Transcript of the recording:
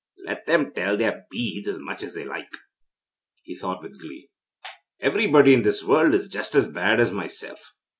'Let them tell their beads as much as they like,' he thought with glee, 'everybody in this world is just as bad as myself.